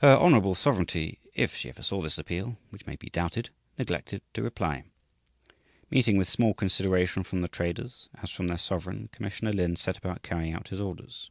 Her "Hon. Sovereignty," if she ever saw this appeal (which may be doubted), neglected to reply. Meeting with small consideration from the traders, as from their sovereign, Commissioner Lin set about carrying out his orders.